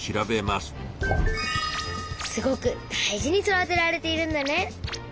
すごく大事に育てられているんだね。